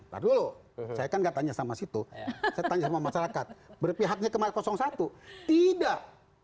tadi dulu saya kan gak tanya sama situ saya tanya sama masyarakat berpihaknya kemarin satu tidak